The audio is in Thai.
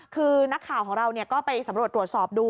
คือนักข่าวของเราก็ไปสำรวจตรวจสอบดู